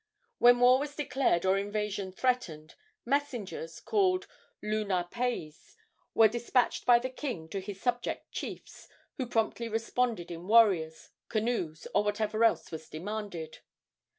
When war was declared or invasion threatened, messengers, called lunapais, were despatched by the king to his subject chiefs, who promptly responded in warriors, canoes, or whatever else was demanded.